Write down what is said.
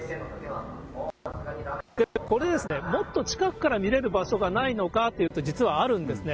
これ、もっと近くから見れる場所がないのかというと、実はあるんですね。